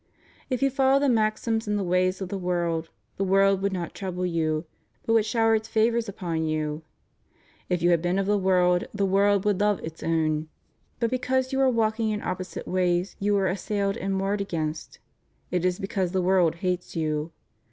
If you followed the maxims and the ways of the world, the world would not trouble you, but would shower its favors upon you. "7/ you had been of the world, the world would love its own"; but because you are walking in oppo site ways you are assailed and warred against. It is because the world hates you.